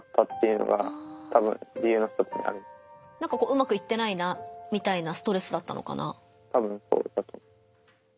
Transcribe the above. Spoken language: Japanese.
うまくいってないなみたいなストレスだったのかな。